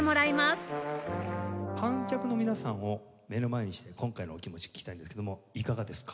観客の皆さんを目の前にして今回のお気持ち聞きたいんですけどもいかがですか？